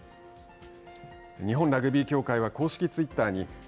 日本ラグビー協会は公式ツイッターに